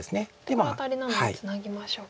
これはアタリなのでツナぎましょうか。